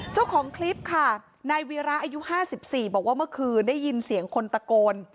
เจ้าของคลิปค่ะนายวีระอายุ๕๔บอกว่าเมื่อคืนได้ยินเสียงคนตะโกน